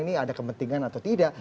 ini ada kepentingan atau tidak